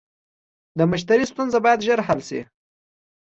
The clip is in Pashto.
د مشتری ستونزه باید ژر حل شي.